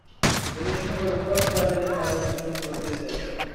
The mission was the first privately funded mission to a space station.